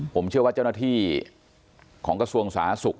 ผมเชื่อว่าเจ้าหน้าที่ของกระทรวงสาธารณสุข